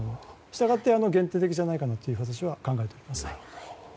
したがって限定的じゃないかと私は考えています。